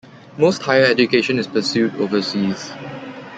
Most higher education is pursued overseas.